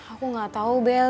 aku gak tahu bel